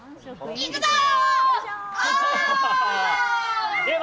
いくぞー！